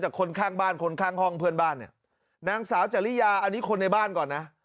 คนข้างบ้านคนข้างห้องเพื่อนบ้านเนี่ยนางสาวจริยาอันนี้คนในบ้านก่อนนะ